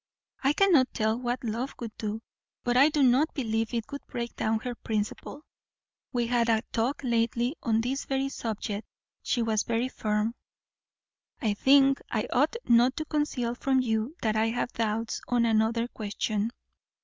I cannot tell what love would do; but I do not believe it would break down her principle. We had a talk lately on this very subject; she was very firm. "I think I ought not to conceal from you that I have doubts on another question.